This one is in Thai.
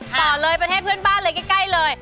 ต่อเลยประเทศเพื่อนบ้านเลย